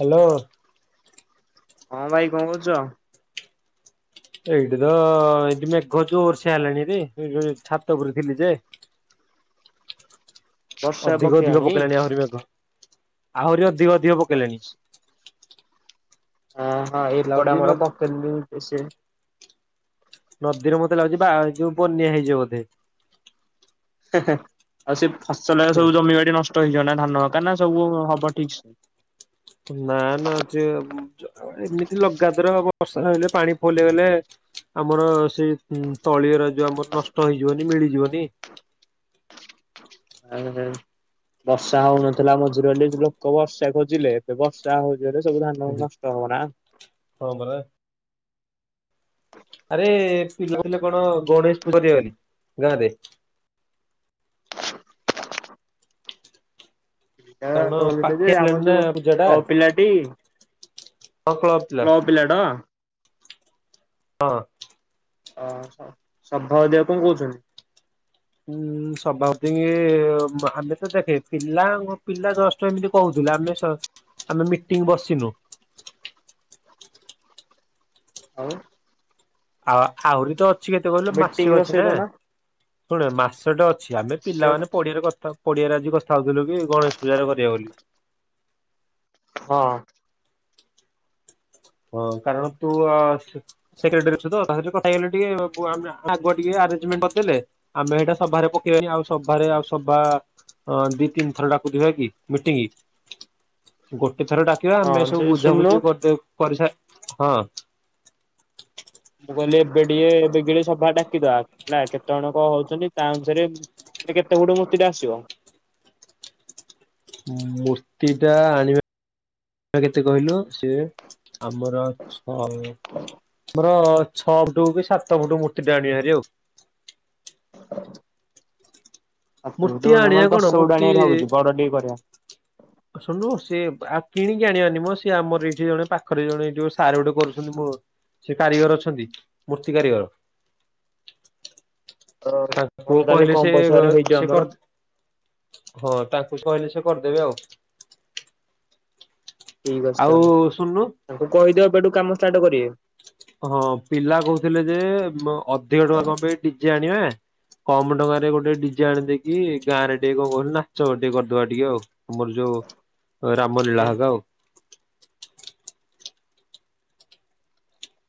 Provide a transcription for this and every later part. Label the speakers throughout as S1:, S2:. S1: Hello
S2: ହଁ ଭାଇ କଣ କରୁଚ?
S1: ଏଇଠି ତ ଏଠି ମେଘ ଜୋର୍ ସେ ହେଲାଣି ରେ ଛାତ ଉପରେ ଥିଲି ଯେ। ଅଧିକ ଅଧିକ ପକେଇଲାଣି ଆହୁରି ମେଘ ଆହୁରି ଅଧିକ ଅଧିକ ପକେଇଲାଣି।
S2: ହଁ ହଁ ଏପଟେ
S1: ଲାଗୁଛି
S2: ଆମର ପକେନି ବେସି।
S1: ନଦୀରେ ମତେ ଲାଗୁଛି ବା ଯୋଉ ବନ୍ୟା ହେଇଯିବ ବୋଧେ।
S2: ହେ ହେ ଆଉ ସେ ଫସଲ ସବୁ ଜମିବାଡି ନଷ୍ଟ ହେଇଯିବ ନା ଧାନ କ ନା ସବୁ ହବ ଠିକ ସେ।
S1: ନା ନା ଜେ ଆଉ ଏମିତି ଲଗାତର ହବ ବର୍ଷା ହେଇଲେ ପାଣି ଫୁଲ୍ ହେଇ ଗଲେ ଆମର ସେଇ ତଳିଉରା ଯୋଉ ଆମର ନଷ୍ଟ ହେଇଯିବନି ମିଳିଯିବନି।
S2: ଆ ହଁ ବର୍ଷା ହଉନଥିଲା ମଝିରେଲି ଲୋକ ବର୍ଷା ଖୋଜିଲେ ଏବେ ବର୍ଷା ହ ରେ ସବୁ ଧାନ ନଷ୍ଟ ହବନା।
S1: ହଁ ପରା। ଆରେ ପିଲା ପିଲେ କଣ ଗଣେଷ କରିବା ବୋଲି ଗାଁ ରେ।
S2: ଏଇଟା
S1: କାରଣ
S2: କହୁଥିଲେ ଯେ
S1: ପାଖେଇ
S2: ଆମ
S1: ଆଇଲାଣି ନା
S2: ଯୋଉ କ୍ଲବ
S1: ପୂଜା
S2: ପିଲାଟି
S1: ଟା କ
S2: କ୍ଲ ପିଲା ଡ
S1: ହଁ।
S2: ଅ ହ [unintelligible] କଁ କହୁଛନ୍ତି?
S1: ଉଁ ସଭାପତି ଆମେ ତ ଦେଖେ ପିଲା ପିଲା ଜ ତ ଏମିତି କହୁଥିଲେ ଆମେ ସ ଆମେ ମିଟିଂ ବସିନୁ।
S2: ଆଉ
S1: ଆ ଆହୁରି ତ ଅଛି କେତେ କହିଲୁ
S2: ମିଟିଂ
S1: ମାସେ ଅଛି
S2: ବସେଇ
S1: ନା
S2: ଦଉନା।
S1: ଶୁଣ ମାସଟା ଅଛି ଆମେ ପିଲାମାନେ ପଡିଆ ରେ କଥା ପଡିଆରେ ଆଜି କଥା ହଉଥିଲୁ କି ଗଣେଶ ପୂଜାଟା କରିବା ବୋଲି।
S2: ହଁ।
S1: ହଁ କାରଣ ତୁ ଅ ସେକ୍ରେଟାରୀ ଅଛୁ ତ ତା ସହିତ କଥା ହେଇଗଲେ ଟିକେ ଆଗୁଆ ଟିକେ ଆରେ୍ଜମେଣ୍ଟ କରିଦେଲେ ଆମେ ଏଇଟା ସଭାରେ ପକେଇବା ଆଉ ସଭାରେ ଆଉ ସଭା ଅଁ ଦି ତିନି ଥର ଡାକୁ ଥିବା କି ମିଟିଂ ଗୋଟେ ଥର ଡ଼ା କିଆ
S2: ହଁ
S1: ଆମେ ସବୁ
S2: ଯେ ଶୁଣୁନୁ
S1: ବୁଝାବୁଝି କରିଦ କରିସାର ହଁ।
S2: ମୁଁ କହିଲି ଏବେ ଟିକେ ଏବେ ଗି ସଭା ଡାକିଦବା ହେଲା କେତେ ଜଣ କ ହଉଛନ୍ତି ତା ଅନୁସାରେ ମାନେ କେତେ ଫୁଟୁ ମୂର୍ତ୍ତି ଟା ଆସିବ।
S1: ମୂର୍ତ୍ତି ଟା ଆଣିବା ସେଇଟା କେତେ କହିଲୁ ସିଏ ଆମର ଛ ଆମର ଛଅ ଫୁଟୁ କି ସାତ ଫୁଟ ମୂର୍ତ୍ତି ଟା ଆଣିବା ଭାରି ଆଉ
S2: ସାତ
S1: ମୂର୍ତ୍ତି
S2: ଫୁଟଟା
S1: ଆଣିବା
S2: ଦଶ
S1: କଣ
S2: ଫୁଟ
S1: ମୂର୍ତ୍ତି
S2: ଆଣିବାର ଭାବୁଛୁ ବଡ ଟିକେ କରିବା।
S1: ଶୁଣୁନୁ ସିଏ ଆଉ କିଣିକି ଆଣିବାନି ମ ସିଏ ଆମର ଏଇଠି ଜଣେ ପାଖରେ ଜଣେ ଯୋଉ ସାର ଗୋଟେ କରୁଛନ୍ତି ମଁ ସେ କାରିଗର ଅଛନ୍ତି ମୂର୍ତ୍ତି କାରିଗର।
S2: ତ ଭଲ
S1: ତାଙ୍କୁ
S2: ତାହେଲେ
S1: କହିଲେ
S2: କମ
S1: ସେ
S2: ପଇସାରେ ହେଇଯିବ
S1: ସେ
S2: ଆମର
S1: କରିଦ ହଁ ତାକୁ କହିଲେ ସେ କରିଦେବେ ଆଉ
S2: ଠିକ ଅଛି
S1: ଆଉ
S2: ତାହେଲେ
S1: ଶୁଣୁନୁ
S2: ତାଙ୍କୁ କହିଦିଅ ଏବେଠୁ କାମ ଷ୍ଟାର୍ଟ କରିବେ।
S1: ହଁ ପିଲା କହୁଥିଲେ ଯେ ଅଧିକ ଟଙ୍କା କଣ ପାଇଁ ଡିଜେ ଆଣିବା। କମ ଟଙ୍କାରେ ଗୋଟେ ଡିଜେ ଆଣି ଦେଇକି ଗାଁରେ ଟିକେ କଣ କହୁ ନାଚ ଟିକେ କରିଦବା ଟିକେ ଆଉ ଆମର ଯୋଉ ରାମ
S2: ମାନେ
S1: ଲୀଳା ହେରିକା ଆଉ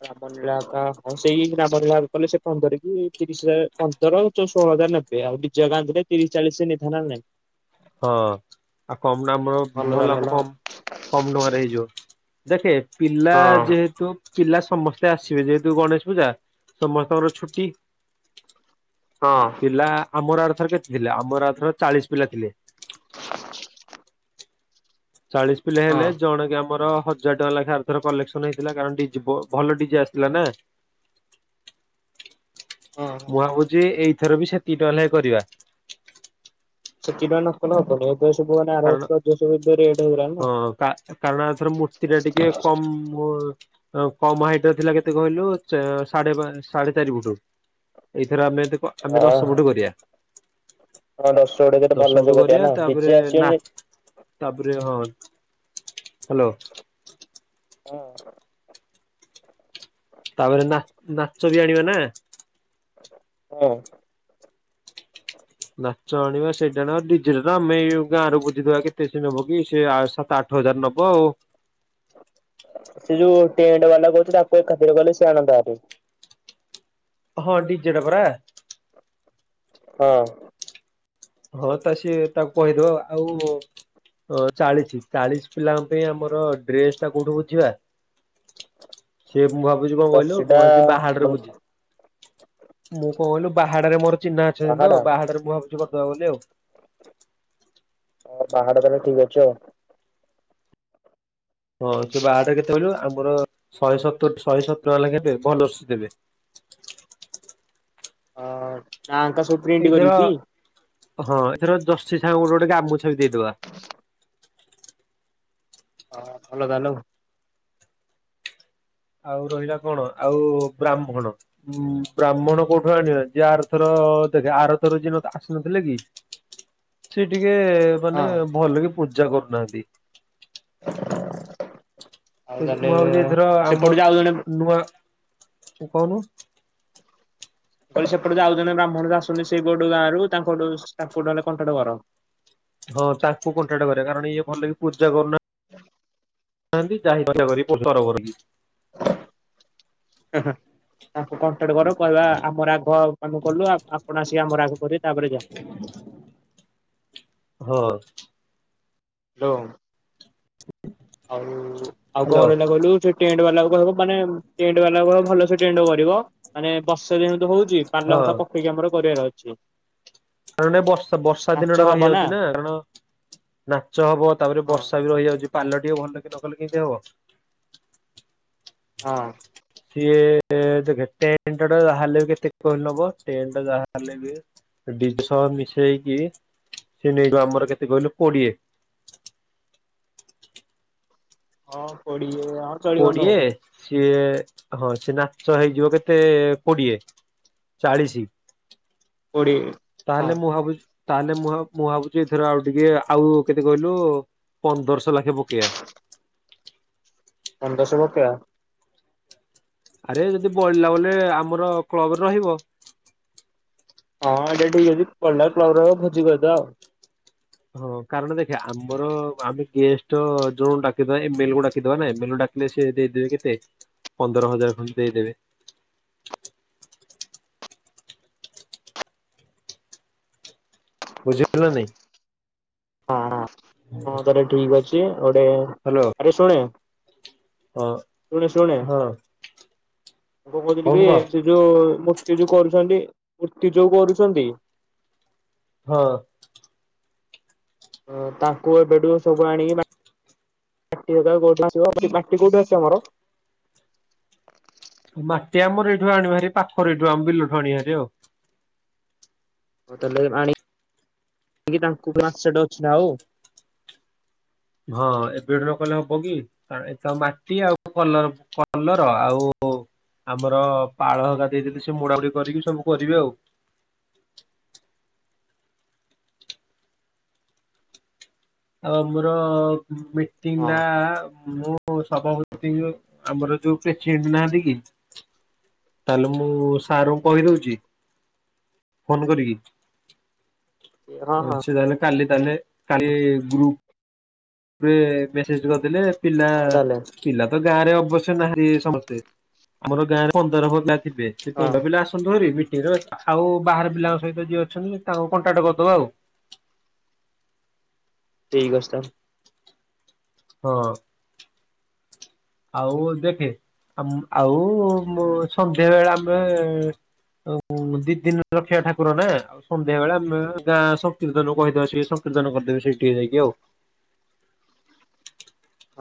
S2: ରାମ ଲୀଳା କ ହଁ ସେଇ ରାମ ଲୀଳା କଲେ ସେ ପନ୍ଦର କି ତିରିଶ ହଜାର ପନ୍ଦର କି ଷୋହଳ ହଜାର ନେବେ। ଆଉ ଡି ଜେ ରେତିରିଶ ଚାଳିଶ ନେଇଥାନ୍ତା ନାଇଁ।
S1: ହଁ ଆଉ କମ ଦାମରେ ଭଲ
S2: ତାହେଲେ ହେଲା
S1: କମ
S2: ଆଉ।
S1: କମ ଟଙ୍କାରେ ହେଇଯିବ। ଦେଖେ ପିଲା
S2: ହଁ
S1: ଯେହେତୁ ପିଲା ସମସ୍ତେ ଆସିବେ ଯେହେତୁ ଗଣେଶ ପୂଜା ସମସ୍ତଙ୍କର ଛୁଟି।
S2: ହଁ।
S1: ପିଲା ଆମର ଆରଥର କେତେ ଥିଲେ ଆମର ଆରଥର ଚାଳିଶ ପିଲା ଥିଲେ।
S2: [unintelligible]
S1: ଚାଳିଶ ପିଲା
S2: ହଁ
S1: ହେଲେ ଜଣକେ ଆମର ହଜା ହଜାର ଟଙ୍କା ଲେଖା ଆରଥର କଲେକ୍ସନ ହେଇଥିଲା କାରଣ ଡି ଜେ ଆସିଥିଲେ ନା ମୁଁ
S2: ହଁ।
S1: ଭାବୁଛି ଏଇଥର ବି ସେତିକି ଟଙ୍କା ଲେଖା କରିବା।
S2: ସେତିକି ଟଙ୍କା ନକଲେ ହବନି ଆଉ ଦୋଷ ପୁଅ ଆର
S1: କାରଣ
S2: ବଷ ଦୋଶ ବି ଏ ହଜାର ନା
S1: ଏ କମ୍ ବୋ କମ ହାଇଟରେ ଥିଲା କେତେ କହିଲୁ ସାଢେ ସାଢେ ଚାରି ଫୁଟ ଏଇଥର ଆମେ ଆମେ
S2: ହଁ
S1: ଦଶ ଫୁଟ କରିବା।
S2: ହଁ ଦଶ ଫୁଟ୍ ଗତେ
S1: ଦଶ ଫୁଟ
S2: ଭଲସେ
S1: କରିବା
S2: କରିବାନା
S1: ତାପରେ
S2: ଡିଜେ
S1: ନା
S2: ଆସିବନି।
S1: ତାପରେ ହଁ ହାଲୋ?
S2: ହଁ?
S1: ତାପରେ ନା ନା ନାଚ ବି ଆଣିବା ନା?
S2: ହଁ।
S1: ନାଚ ଆଣିବା ସେଇଟା ଆଣିବା ଆଉ ଡିଜେତ ଆମେ ଗାଁରେ ବୁଝିଦବା କେତେ ସିଏ ନବ କି ସେ ସାତ ଆଠ ଆଠ ହଜାର ନବ ଆଉ
S2: ସେ ଯୋଉ ଟେଣ୍ଟ ବାଲା କହୁଛି ତାକୁ ଖାର କଲେ ସେ ଆଣନ୍ତାଭାରି।
S1: ହଁ ଡିଜେ ଟା ପରା।
S2: ହଁ?
S1: ହଁ ତା ସିଏ ତାକୁ କହିଦବ ଆଉ ଅ ଚାଳିଶ ଚାଳିଶ ପିଲାଙ୍କ ପାଇଁ ଆମର ଡ୍ରେସଟା କୋଉଠୁ ବୁଝିବା? ସେ ମୁଁ ଭାବୁଛି କଣ କହିଲୁ କଣ
S2: ଜର୍ସିଟା
S1: ଭାବୁଛି ବାହାଡରେ
S2: ମାନେ
S1: ବୁଝି ମୁଁ କଣ କହିଲୁ ବାହାଡରେ ମୋର ଚିହ୍ନା ଅଛନ୍ତି ତ
S2: ପାହାଡା
S1: ବାହାଡରେ ମୁଁ ଭାବୁଛି କରିଦେବା ବୋଲି ଆଉ
S2: ହଉ ବାହାଡ ତାହେଲେ ଠିକ ଅଛ ଆଉ
S1: ହଁ ସେ ବାହାଟା କେତେ କହିଲୁ ଆମର ଶହେ ସତ ଶହେ ସତର ଟଙ୍କା ଲବେ ଭଲ ସେ ଦେବେ।
S2: ଅ ନାଙ୍କ ସୁ
S1: ଏଇଥର ହଁ ଏଥର ଜଶୀ ସାଙ୍ଗରେ ଗୋଟେ ଗୋଟେ ଗାମୁଛା ବି ଦେଇଦବା।
S2: ହଁ ଭଲ [inaudible]
S1: ଆଉ ରହିଲା କଣ ଆଉ ବ୍ରାହ୍ମଣ ଉଁ ବ୍ରାହ୍ମଣ କୋଉଠୁ ଆଣିବା ଯେ ଆରଥର ଦେଖେ ଆରଥର ଯେ ଆସିନଥିଲେ କି? ସେ ଟିକେ ମାନେ
S2: ହଁ
S1: ଭଲ କି ପୂଜା କରୁନାହାନ୍ତି।
S2: ଆଉ
S1: ମୁଁ
S2: ତାହେଲେ
S1: ଭାବୁଛି ଏଥର ଆମ
S2: ସେପଟୁ ଆଉ ଜଣେ
S1: ନୂଆ କହୁନୁ?
S2: କହିଲି ସେପଟୁ ଯଉ ଆଉ ଜଣେ ବ୍ରାହ୍ମଣବି ଆସନ୍ତି ସେଇ ପଟ ଗାଁରୁ ତାଙ୍କଠୁ ନହେନେ ତାଙ୍କଠୁ ହେଲେ କଣ୍ଟାଟ କର।
S1: ହଁ ତାଙ୍କୁ କଣ୍ଟାକ୍ଟ କରେ କାରଣ ଇଏ ଭଲ କି ପୂଜା କରୁନା
S2: ହଁ
S1: କରୁନାହାନ୍ତି [inaudible] କରି ତରବର।
S2: [inaudible] ତାଙ୍କୁ କଣ୍ଟାକ୍ଟ କର କହିବା ଆମର ଆଗ ଆମେ କଲୁ ଆପଣ ଆସିକି ଆମର ଆଗ କରିବେ ତାପରେ ଯାହା।
S1: ହଁ।
S2: ହ୍ୟାଲୋ। ଆଉ ଆଉ କଣ
S1: ହ୍ୟାଲୋ
S2: ରହିଲା କହିଲୁ ସେଠ ଟେଣ୍ଟ ବାଲାକୁ କହିବ ମାନେ ଟେଣ୍ଟ ବାଲା କୁ କହିବ ଭଲସେ ଟେଣ୍ଟ କରିବ। ମାନେ ବର୍ଷା ଯେମିତି ହଉଛି
S1: ହଁ
S2: ପାଲ ହେକା ପକେଇକି ଆମର କରିବାର ଅଛି।
S1: କାରଣ ଏ ବର୍ଷା ବର୍ଷା
S2: ନାଚ
S1: ଦିନ ଟା
S2: ହବ
S1: ରହିଯାଉଛି ନା କାରଣ ନାଚ ହବ ତାପରେ
S2: ହଁ
S1: ବର୍ଷା ବି ରହିଯାଉଛି ପାଲ ଟିକେ ଭଲକି ନକଲେ କେମିତି ହବ।
S2: ହଁ।
S1: ସିଏ ଦେଖେ ଟେଣ୍ଟ ଟା ଯାହାହେଲେ ବି କେତେ କଣ କହନି ନବ ଟେଣ୍ଟ ଯାହାଲେ ବି ଡିଜ୍ ସହ ମିଶେଇକି ସେ ନେଇଯିବ ଆମର କେତେ କହିଲୁ କୋଡିଏ।
S2: ହଁ କୋଡିଏ ଅର୍
S1: କୋଡିଏ ସିଏ ହଁ ସିଏ ନାଚ ହେଇଯିବ କେତେ କୋଡିଏ। ଚାଳିଶି
S2: କୋଡିଏ ହଁ
S1: ତାହେଲେ ମୁଁ ଭାବୁଛି ତାହେଲେ ମୁଁ ମୁଁ ଭାବୁଛି ଏଥର ଆଉ ଟିକେ ଆଉ କେତେ କହିଲୁ ପନ୍ଦରଶହ ଲକ୍ଷେ ପକେଇବା।
S2: ହ ପନ୍ଦରଶହ ପକେଇବା?
S1: ଆରେ ଯଦି ବଳିଲା ବଲେ ଆମର କ୍ଲବରେ ରହିବ।
S2: ହଁ ଏଇଟା ଠିକ୍ ଅଛି ବଳିଲା କ୍ଲବ ରେ ଭୋଜି କରିଦେବା ଆଉ।
S1: ହଁ କାରଣ ଦେଖେ ଆମର ଆମେ ଗେଷ୍ଟ ଯୋଉ ଡାକିଥିବା ଏମ ଏଲ କୁ ଡାକିଦବା ନା ଏମ ଏଲ ଡାକ ଲେ ସେ ଦେଇଦେବେ କେତେ ପନ୍ଦର ହଜାର ଖଣ୍ଡେ ଦେଇଦେବେ। ବୁଝିଲୁ ନା ନାଇଁ?
S2: ହଁ ହଁ ହଁ ତାହେଲେ ଠିକ୍ ଅଛି ଗୋଟେ
S1: ହ୍ୟାଲୋ
S2: ଆରେ ଶୁଣେ?
S1: ହଁ ହଁ।
S2: ମୁ କଣ କହୁଥିଲି କି
S1: କହୁନୁ କହ
S2: ସେ ଯୋଉ ମୂର୍ତ୍ତି ଯୋଉ କରୁଛନ୍ତି ମୂର୍ତ୍ତି ଯୋଉ କରୁଛନ୍ତି।
S1: ହଁ।
S2: ତାଙ୍କୁ ଏବେଠୁ ସବୁ ଆଣିକି ମା [inaudible] ମାଟି କଉଠୁ ଆସେ ଆମର?
S1: ମାଟି ଆମର ଏଇଠୁ ଆଣୁବାହାରି ପାଖରେ ଏଇଠୁ ଆମବିଲଠୁ ଆଣୁବାହାରି ଆଉ।
S2: ହଉ ତାହେଲେ ଆଣି ତାଙ୍କୁ [inaudible] ଅଛି ନା ଆଉ?
S1: ହଁ ଏବେଠୁ ନକଲେ ହବ କି? ଏ ତ ମାଟି ଆଉ କଲର କଲର ଆଉ। ଆମର ପାଳ ହଗା ଦେଇଦଲେ ସେ ମୁୋଡାାମୁଡି କରିକି ସବୁ କରିବେ ଆଉ। ଆଉ ଆମର ମିଟିଂ
S2: ହଁ
S1: ଟା ମୁଁ ସଭପତି ଆମର ଯୋଉ ପ୍ରେସିଡେଣ୍ଟ ନାହାନ୍ତି କି? ତାହେଲେ ମୁଁ ସାର୍ ଙ୍କୁ କହିଦଉଛି ଫୋନ୍ କରିକି।
S2: ହଁ ହଁ
S1: ସେ ତାଲେ କାଲି ତାଲେ କାଲି ଗ୍ରୁପ୍ ରେ ମେସେଜ କରିଦେଲେ ପିଲା
S2: ହଉ ତାହେଲେ
S1: ପିଲା ତ ଗାଁ ରେ ଅବଶ୍ୟ ନାହାନ୍ତି ସମସ୍ତେ ଆମର ଗାଁରେ ପନ୍ଦର ପିଲା ଥିବେ ସେ
S2: ହଁ
S1: ପନ୍ଦର ପିଲା ଆସ ଫୋନକରି [inaudible] ଆଉ ବାହାର ପିଲାଙ୍କ ସହିତ ଯିଏ ଅଛନ୍ତି ତାଙ୍କୁ କଣ୍ଟାକ୍ଟ କରିଦବା ଆଉ।
S2: ଠିକ୍ ଅଛି ତା
S1: ହଁ। ଆଉ ଦେଖେ ଆଉ ସନ୍ଧ୍ୟା ବେଳେ ଆମେ ଓହୋ ଦି ଦିନ ରଖିବା ଠାକୁର ନା ସନ୍ଧ୍ୟା ବେଳେ ଆମେ ଗାଁ ଶକୀର୍ତ୍ତନ କହିଦେବା ସେ ଶକୀର୍ତ୍ତନ କରିଦେବେ ସେଇଠି ଯାଇକି ଆଉ।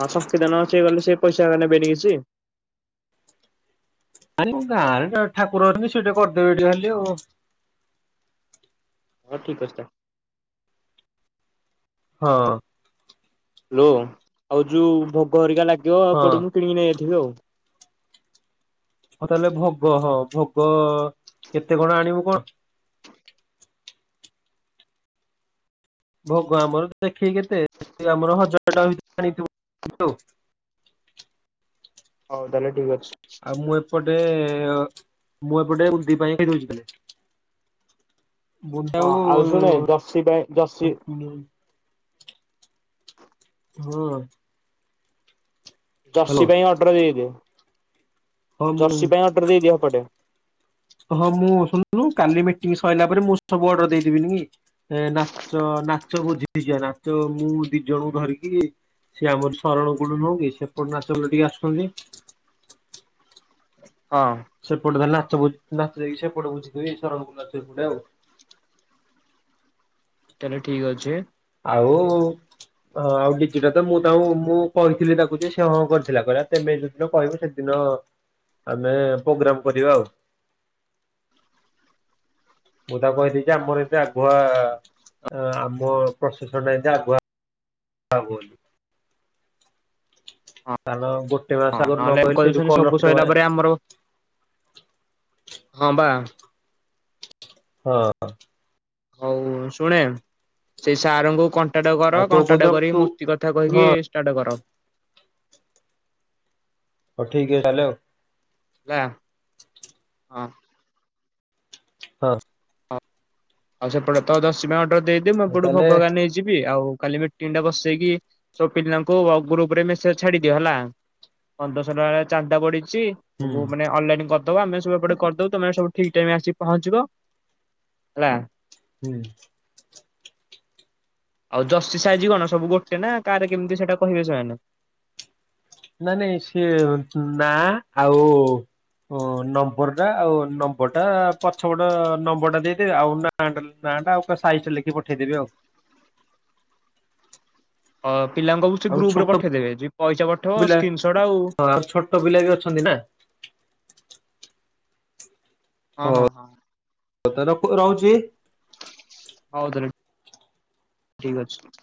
S2: ହଁ ଶକୀର୍ତ୍ତନ ଅଛି ମାନେ ସେ ପଇସାରା ନେବେନି ସିଏ।
S1: ଆରେ ଆମ ଗାଁରେ ଜଣେ ଠାକୁର ଅଛନ୍ତି ସେ ସେଇଠେ କରିଦେବେ ଟିକେ ଖାଲି ଆଉ।
S2: ହଁ ଠିକ ଅଛି ତା
S1: ହଁ।
S2: ଲି ଆଉ ଯୋଉ ଭୋଗ ହେରିକା ଲାଗିବ
S1: ହଁ
S2: ଏପଟୁ ମୁଁ କିଣିକି ନେଇ ଯାଇଥିବି ଆଉ।
S1: ହଉ ତାହେଲେ ଭୋଗ ହଁ ଭୋଗ କେତେ କଣ ଆଣିବୁ କଣ? ଭୋଗ ଆମର ଦେଖିକି କେତେ ଏଇ ଆମର ହଜାର ଟଙ୍କା ଭିତରେ ଆଣିଥିବୁ ହାରି ଆଉ।
S2: ହଉ ତାହେଲେ ଠିକ ଅଛି।
S1: ଆଉ ମୁଁ ଏପଟେ ମୁଁ ଏପଟେ ଉଧି ପାଇଁ କି ଦଉଚି ତାଲେ। ବୁଟ ଟା
S2: ହଁ ଆଉ ଶୁଣେ ଜର୍ସି ପାଇଁ
S1: କୁ
S2: ଜର୍ସି
S1: [unintelligible] ହଉ ଆଉ।
S2: ଜର୍ସି ପାଇଁ ଅର୍ଡର ଦେଇଦେ
S1: ହଁ ମୁଁ
S2: ଜର୍ସି ପାଇଁ ଅର୍ଡର ଦେଇଦିଅ ହେପଟେ।
S1: ହଁ ମୁଁ ଶୁଣିଲୁ କାଲି ମିଟିଂ ସରିଲା ପରେ ମୁଁ ସବୁ ଅର୍ଡର ଦେଇଦେବିନି କି? ଏ ନାଚ ନାଚ ବୁଝିଥିବା ନାଚ ମୁଁ ଦି ଜଣଙ୍କୁ ଧରିକି ସିଏ ଆମରି ସରଣ କୂଳୁରୁ ନୁହଁ କି ସେପଟରୁ ଆସୁଚନ୍ତି ଯେତିକି ଆସୁଛନ୍ତି।
S2: ହଁ।
S1: ସେପଟେ ତାହାଲେ ନାଚ ହୋଉଚି ନାଚ ଯଇକି ସେପଟ ହୋଉଚି ନୁହେଁ କି ଶରଣପୂର୍ ନାଚ ସେପଟେ ଆଉ।
S2: ତାହେଲେ ଠିକ ଅଛି।
S1: ଆଉ ହଁ ଆଉ ଡିଜିଟା ତ ମୁଁ ତାଙ୍କୁ ମୁଁ କହିଥିଲି ତାକୁ ଯେ ସେ ହଁ କରିଥିଲା କେହିଲା ପେମେଟ୍ ଜୋଉ ଦିନ କହିବୁ ସେଦିନ ଆମେ ପ୍ରୋଗ୍ରାମ କରିବା ଆଉ। ମୁଁ ତାକୁ କହିଦେଚି ଯେ ଆମର ଏତେ ଆଗୁଆ ଅ ଆମ ପ୍ରସେସନ୍ ଟା ଯେମିତି ତ ଆଗୁଆ ହବୁ
S2: ହଁ
S1: କାରଣ ଗୋଟେ ମାସ
S2: ହଁ
S1: ଆଗରୁ ନ
S2: ନହେଲେ
S1: କହିଲେ ସେଇଠୁ
S2: କହିୁଛନ୍ତି
S1: କଲ
S2: ସବୁ
S1: ରଖିଦବା
S2: ସରିଲା
S1: ନା
S2: ପରେ ଆମର ହଁ ବା।
S1: ହଁ ହଁ।
S2: ହଉ ଶୁଣେ ସେଇ ସାରଙ୍କୁ କଣ୍ଟା ଟାଟେ କର
S1: ଆଉ ତୋ କୋଉ
S2: କଣ୍ଟାଟେ
S1: ଦର
S2: କରିକି
S1: ତୁ
S2: ମୂର୍ତ୍ତି କଥା କହିକି ଷ୍ଟାର୍ଟ କର।
S1: ହଉ ଠିକ ଅଛି ତାହାଲେ ଆଉ।
S2: ଲା ହଁ।
S1: ହଁ।
S2: ଆଉ ସେପଟେ ତ ଜର୍ସି ପାଇଁ ଅଡର ଦେଇଦେ ମୁ
S1: ହଁ
S2: ଏପଟୁ
S1: ତାହେଲେ
S2: ଭୋଗ ହେକା ନେଇଯି ଯିବି ଆଉ କାଲି ମିଟିଂ ଟା ବସେଇକି ସବୁ ପିଲାଙ୍କୁ ଗ୍ରୁପରେ ମେସେଜ୍ ଛାଡିଦିଅ ହେଲା। ପନ୍ଦରଶ ଟଙ୍କାରେ ଚାରଟା ପଡିଚି।
S1: ହୁଁ
S2: ମୁଁ ମାନେ ଅନଲାଇନ୍ କରିଦବ ଆମେ ସବୁପଟେ କରିଦବୁ ତମେ ସବୁ ଠିକ୍ ଟାଇମ୍ ଆସିିକି ପହଞ୍ଚିବ। ହେଲା।
S1: ହୁଁ।
S2: ଆଉ ଯଷ୍ଟି ସାଇଜ୍ କଣ ସବୁ ଗୋଟେ ନା କାଆରେ କେମିତି ସେଇଟା କହିବେ ସେମାନେ?
S1: ନା ନାଇଁ ସିଏ ନାଁ ଆଉ ଓ ନମ୍ବର ଟା ଆଉ ନମ୍ବର ଟା ପଛପଟ ନମ୍ବର ଟା ଦେଇଦେବି ଆଉ ନା ନାଁ ନାଁ ଟା ଆଉ ସାଇଜିଟା ଲେଖି ପଠେଇଦେବି ଆଉ।
S2: ଅ ପିଲାଙ୍କୁ କହିବୁ ସେ
S1: ଆଉ
S2: ଗ୍ରୁପରେ
S1: ଛୋଟ
S2: ପଠେଇଦେବେ ଯିଏ ପଇସା ପଠେଇବ
S1: ପିଲା
S2: ସ୍କ୍ରିନସଟ୍ ଆଉ
S1: ଛୋଟ ପିଲା ବିି ଅଛନ୍ତି ନା।
S2: ହଁ ହଁ ହଁ।
S1: ତତେ ରଖୁ ରହୁଛି?
S2: ହଉ ତାହଲେ ଠିକ୍ ଅଛି।